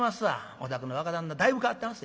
お宅の若旦那だいぶ変わってまっせ。